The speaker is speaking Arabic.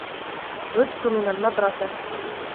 عدت من المدرسة.